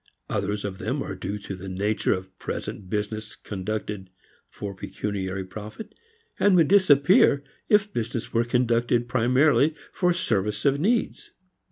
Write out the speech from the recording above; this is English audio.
Others of them are due to the nature of present business conducted for pecuniary profit, and would disappear if business were conducted primarily for service of needs.